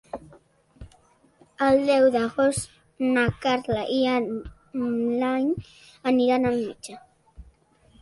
El deu d'agost na Carla i en Blai aniran al metge.